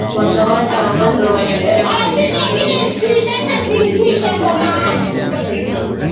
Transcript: watawala wa Vuga waliendelea kutumia cheo cha Simba Mwene Baadaye alikuwa chifu wa Bumbuli